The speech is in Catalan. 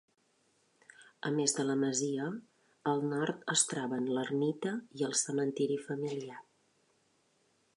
A més de la masia, al nord es troben l'ermita i el cementiri familiar.